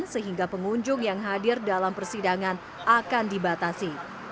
sehingga pengunjung yang hadir dalam persidangan akan dibatasi